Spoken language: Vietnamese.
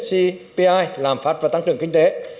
cpi làm phát và tăng trưởng kinh tế